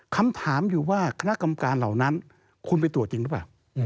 คำถามอยู่ว่าคณะกรรมการเหล่านั้นคุณไปตรวจจริงหรือเปล่า